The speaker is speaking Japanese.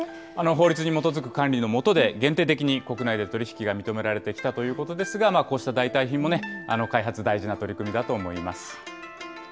法律に基づく管理の下で、限定的に国内で取り引きが認められてきたということですが、こうした代替品も開発、大事な取り組みだと思います。